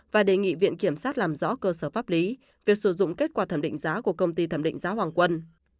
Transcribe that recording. và đề nghị viện kiểm sát làm rõ cơ sở pháp lý việc sử dụng kết quả thẩm định giá của công ty thẩm định giá hoàng quân